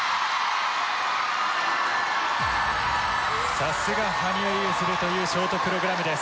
さすが羽生結弦というショートプログラムです。